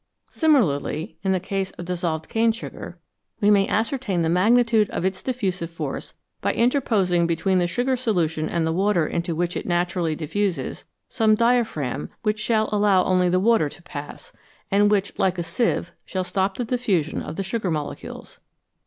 Similarly, in the case of dissolved cane sugar, we may ascertain the magnitude of its diffusive force by inter posing between the sugar solution and the water into which it naturally diffuses some diaphragm which shall allow only the water to pass, and which, like a sieve, shall stop the diffusion of the sugar molecules.